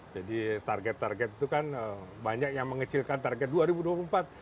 jadi target target itu kan banyak yang mengecilkan target dua ribu dua puluh empat